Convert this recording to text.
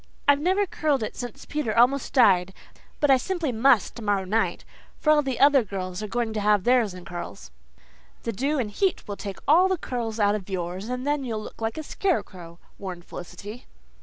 I've never curled it since Peter almost died, but I simply must tomorrow night, for all the other girls are going to have theirs in curls." "The dew and heat will take all the curl out of yours and then you'll look like a scarecrow," warned Felicity.